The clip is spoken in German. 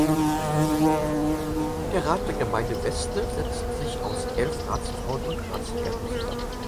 Der Rat der Gemeinde Weste setzt sich aus elf Ratsfrauen und Ratsherren zusammen.